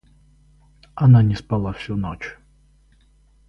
Она не спала всю ночь.